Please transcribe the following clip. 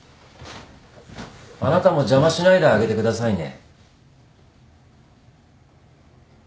あなたも邪魔しないであげてくださいね。